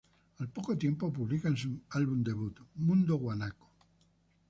Al poco tiempo publican su álbum debut, "Mundo guanaco".